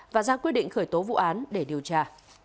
và ra quyết định khởi tố vụ án để điều tra